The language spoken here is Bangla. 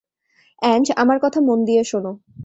অ্যাঞ্জ, আমার কথা মন দিয়ে শোনো।